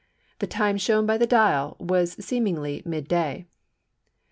The time shown by the dial was seemingly mid day.